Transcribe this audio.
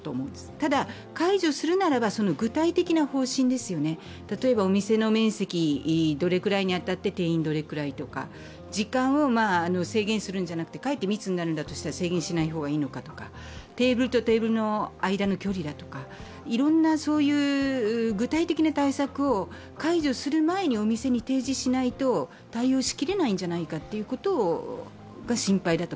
ただ、解除するならば具体的な方針例えばお店の面積、どれくらいに当たって定員どれくらいとか、時間を制限するんじゃなくてかえって密になるのだとしたら制限しない方がいいのかとか、テーブルとテーブルの間の距離だとか、いろんな具体的な対策を解除する前にお店に提示しないと対応しきれないんじゃないかということが心配だと。